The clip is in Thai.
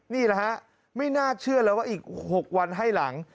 นี่แหละฮะไม่น่าเชื่อแล้วว่าอีก๖วันให้หลัง